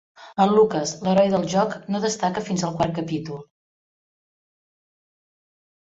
El Lucas, l'heroi del joc, no destaca fins al quart capítol.